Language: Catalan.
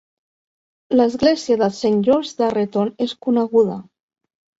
L'església de Saint George d'Arreton és coneguda.